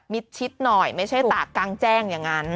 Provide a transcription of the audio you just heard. ชิดหน่อยไม่ใช่ตากกลางแจ้งอย่างนั้น